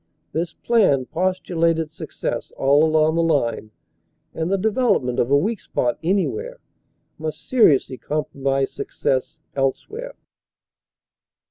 This plan postulated success all along the line and the development of a weak spot anywhere must seriously compromise success else where.